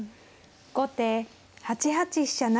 後手８八飛車成。